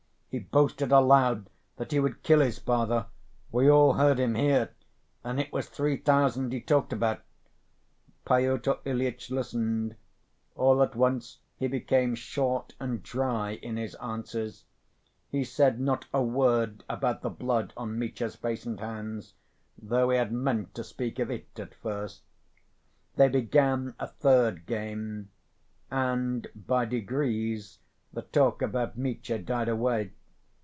"He boasted aloud that he would kill his father; we all heard him, here. And it was three thousand he talked about ..." Pyotr Ilyitch listened. All at once he became short and dry in his answers. He said not a word about the blood on Mitya's face and hands, though he had meant to speak of it at first. They began a third game, and by degrees the talk about Mitya died away.